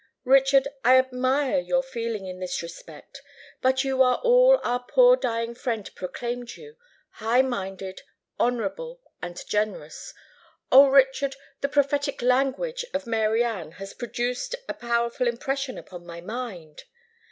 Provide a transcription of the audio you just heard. "Richard, I admire your feeling in this respect. But you are all our poor dying friend proclaimed you—high minded, honourable, and generous. O Richard! the prophetic language of Mary Anne has produced a powerful impression upon my mind!"